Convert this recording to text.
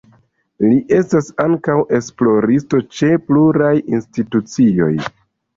Li estas ankaŭ esploristo ĉe pluraj institucioj.